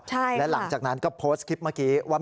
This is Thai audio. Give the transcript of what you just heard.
ใช่และหลังจากนั้นก็โพสต์คลิปเมื่อกี้ว่า